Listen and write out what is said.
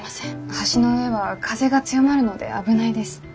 橋の上は風が強まるので危ないです。